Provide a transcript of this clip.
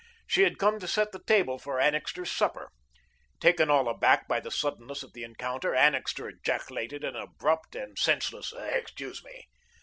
She had come to set the table for Annixter's supper. Taken all aback by the suddenness of the encounter, Annixter ejaculated an abrupt and senseless, "Excuse me."